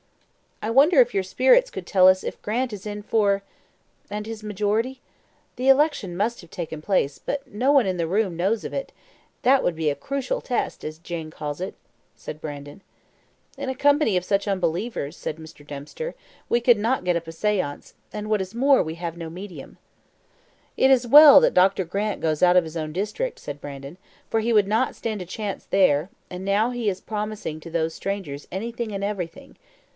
"I wonder if your spirits could tell us if Grant is in for , and his majority? The election must have taken place, but no one in the room knows of it; that would be a crucial test, as Jane calls it," said Brandon. "In such a company of unbelievers," said Mr. Dempster, "we could not get up a seance, and what is more, we have no medium." "It is well that Grant goes out of his own district," said Brandon, "for he would not stand a chance there; and now he is promising to those strangers anything and everything.